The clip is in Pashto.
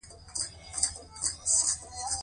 ایا زه باید نرم بالښت وکاروم؟